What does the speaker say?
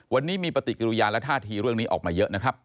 วันนี้มีปฏิกิริยาและท่าทีเรื่องนี้ออกมาเยอะนะครับ